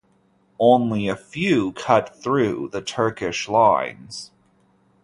Only a few cut through the Turkish lines.